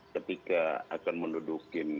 ketika akan mendudukkan